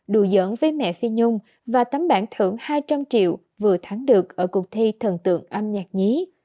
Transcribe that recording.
đù dẫn với mẹ phi nhung và tấm bản thưởng hai trăm linh triệu vừa thắng được ở cuộc thi thần tượng âm nhạc nhí